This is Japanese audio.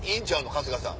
春日さん。